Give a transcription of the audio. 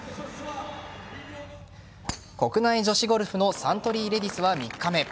国内女子ゴルフのサントリーレディスは３日目。